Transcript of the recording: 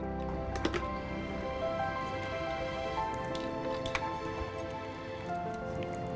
bang yang ini rumahnya